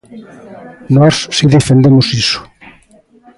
Nós si defendemos iso.